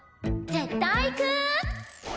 「絶対行くー！」